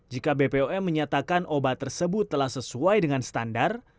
jika bpom menyatakan obat tersebut telah sesuai dengan standar